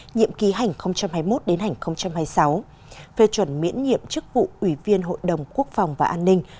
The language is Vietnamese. nhiệm ký hành hai mươi một hai mươi sáu phê chuẩn miễn nhiệm chức vụ ủy viên hội đồng quốc phòng và an ninh